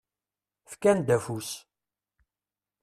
Fkan-d afus.